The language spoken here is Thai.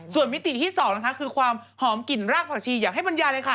ส่วนมิติที่๒นะคะคือความหอมกลิ่นรากผักชีอยากให้บรรยายเลยค่ะ